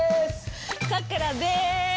さくらです！